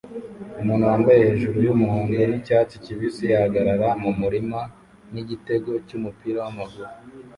Umuntu wambaye hejuru yumuhondo nicyatsi kibisi ahagarara mumurima nigitego cyumupira wamaguru